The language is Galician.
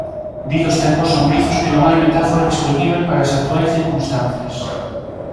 Di Dos tempos sombrizos que non hai metáfora dispoñíbel para as actuais circunstancias.